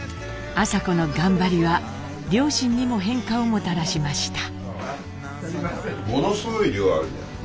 麻子の頑張りは両親にも変化をもたらしました。